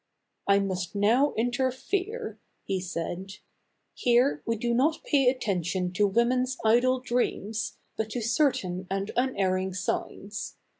" I must now interfere, he said . ke er^er^b "here we do not pay at tention to women's idle dreams, but to certain and unerring signs.